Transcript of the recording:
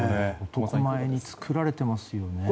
男前に作られていますよね。